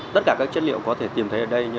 tất cả các chất liệu có thể tìm thấy ở đồ tái chế